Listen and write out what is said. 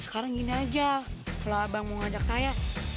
sekarang gini aja kalau abang mau ngajak saya